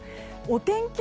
お天気